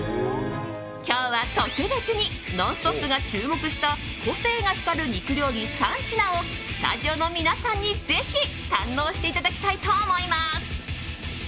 今日は特別に「ノンストップ！」が注目した個性が光る肉料理３品をスタジオの皆さんにぜひ堪能していただきたいと思います。